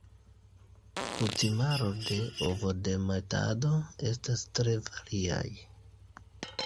Kutimaro de ovodemetado estas tre variaj.